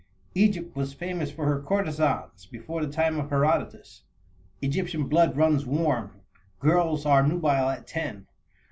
Egypt was famous for her courtesans before the time of Herodotus. Egyptian blood runs warm; girls are nubile at ten.